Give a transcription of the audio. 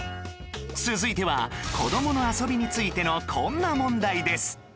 続いては子どもの遊びについてのこんな問題です